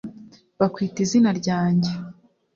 bakwita izina ryanjye